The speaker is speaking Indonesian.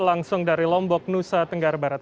langsung dari lombok nusa tenggara barat